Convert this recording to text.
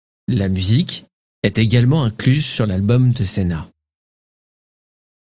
La musique est également incluse sur l'album de Cena '.